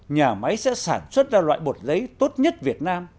nhà máy sẽ sản xuất ra loại bột giấy tốt nhất việt nam